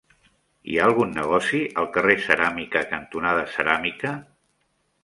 Hi ha algun negoci al carrer Ceràmica cantonada Ceràmica?